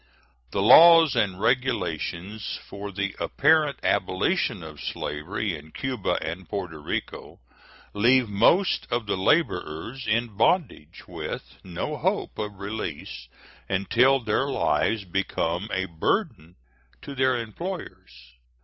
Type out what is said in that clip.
The laws and regulations for the apparent abolition of slavery in Cuba and Porto Rico leave most of the laborers in bondage, with no hope of release until their lives become a burden to their employers.